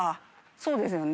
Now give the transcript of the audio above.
そうですね。